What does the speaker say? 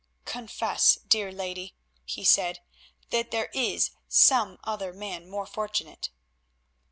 "Confess, dear lady," he said, "that there is some other man more fortunate."